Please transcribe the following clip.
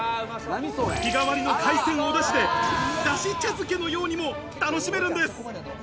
日替わりの海鮮おダシでダシ茶漬けのようにも楽しめるんです。